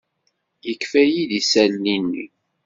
Yefka-iyi-d isali-nni.